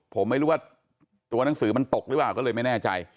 ผมไม่รู้ว่าตัวหนังสือมันตกหรือเปล่าก็เลยไม่แน่ใจ